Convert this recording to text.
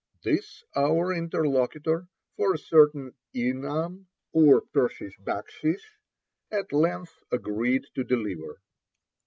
This our interlocutor, for a certain inam, or Persian bakshish, at length agreed to deliver.